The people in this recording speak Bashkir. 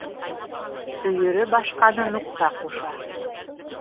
Өйөрө башҡаны нуҡта ҡуша.